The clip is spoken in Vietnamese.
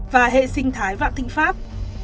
và hệ sinh thái vạn tinh pháp